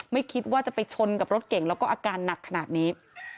ไม่คิดว่าจะไปชนกับรถเก่งแล้วก็อาการหนักขนาดนี้